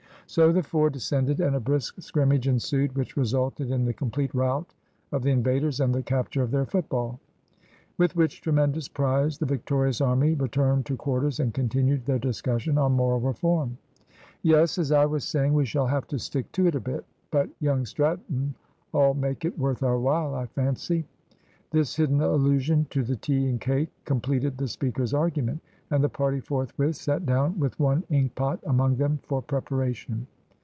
So the four descended, and a brisk scrimmage ensued, which resulted in the complete rout of the invaders and the capture of their football. With which tremendous prize the victorious army returned to quarters and continued their discussion on moral reform. "Yes, as I was saying, we shall have to stick to it a bit. But young Stratton'll make it worth our while, I fancy." This hidden allusion to the tea and cake completed the speaker's argument, and the party forthwith sat down with one ink pot among them for preparation.